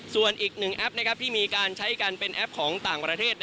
ส่วนอีกหนึ่งแอปที่มีการใช้กันเป็นแอปของต่างประเทศ